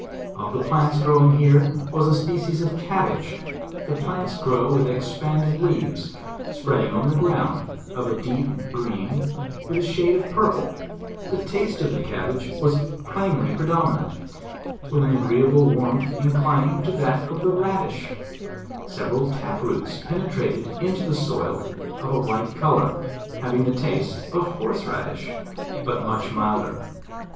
'Of the plants growing here was a species of cabbage: the plants grow with expanded /eaves, spreading on the ground, of a deep green, w T ith a shade of purple; the taste of the cabage was plainly predominant, with an agreeable warmth inclin ing to that of the radish; several tap roots penetrated into the soil of a white color, having the taste of horse radish, but much milder.